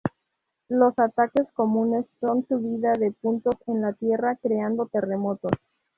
Los ataques comunes son subida de puntos en la tierra, creando terremotos.